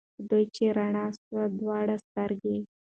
په دوا چي یې رڼا سوې دواړي سترګي